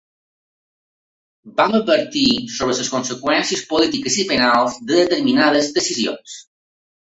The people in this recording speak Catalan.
Vam advertir sobre les conseqüències polítiques i penals de determinades decisions.